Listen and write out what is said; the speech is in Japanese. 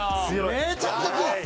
めちゃくちゃ強いんです！